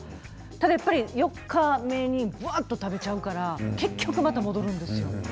ただやっぱり４日目にぐわっと食べちゃうから結局、また戻るんですよ。